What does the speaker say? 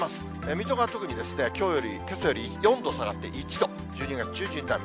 水戸が特にけさより４度下がって１度、１２月中旬並み。